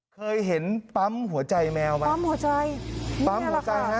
เคยเห็นปั๊มหัวใจแมวไหมปั๊มหัวใจปั๊มหัวใจฮะ